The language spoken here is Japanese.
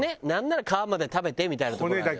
なんなら皮まで食べてみたいな。